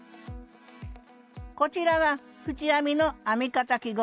こちらが縁編みの編み方記号図。